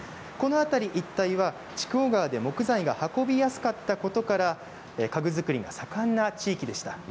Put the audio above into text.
この辺り一帯は筑後川で木材が運びやすかったことから家具作りが盛んな地域でした。